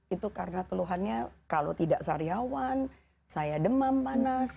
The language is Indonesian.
itu karena keluhannya kalau tidak sariawan saya demam panas